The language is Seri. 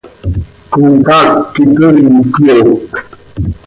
Comcaac quih toii cöyoop.